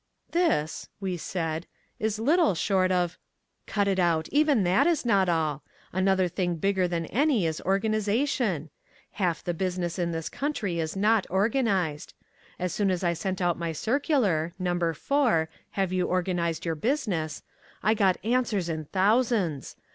"This," we said, "is little short of " "Cut it out. Even that is not all. Another thing bigger than any is organization. Half the business in this country is not organized. As soon as I sent out my circular, No. 4, HAVE YOU ORGANIZED YOUR BUSINESS! I got answers in thousands!